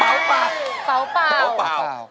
ถามว่าอะไรนะครับ